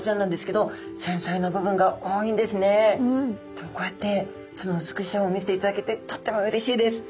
でもこうやってその美しさを見せていただけてとってもうれしいです。